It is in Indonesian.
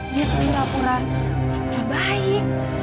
dia seorang pura pura pura pura baik